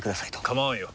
構わんよ。